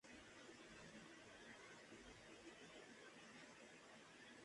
Se encuentran al sureste del Pacífico.